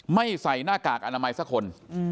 ใส่หน้ากากอนามัยสักคน